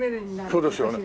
そうですよね。